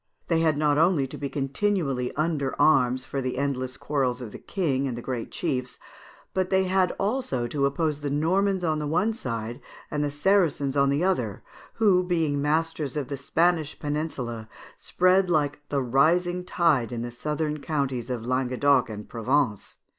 They had not only to be continually under arms for the endless quarrels of the King and the great chiefs; but they had also to oppose the Normans on one side, and the Saracens on the other, who, being masters of the Spanish peninsula, spread like the rising tide in the southern counties of Languedoc and Provence.